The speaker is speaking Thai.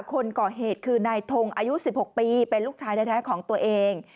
คนก่อเหตุคือนายทงอายุ๑๖ปีเป็นลูกชายแท้ของตัวเอง